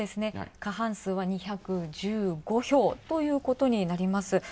過半数は２１５票ということになります。